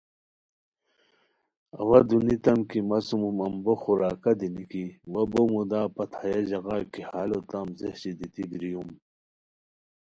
اوا دونیتام کی مہ سُوم امبوخ خوراکہ دی نِکی وا بو مُودا پت ہیہ ژاغا کی ہال ہوتام ځیہچی دیتی بریوم